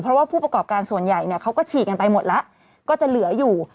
เพราะว่าผู้ประกอบการส่วนใหญ่เนี่ยเขาก็ฉีกกันไปหมดแล้วก็จะเหลืออยู่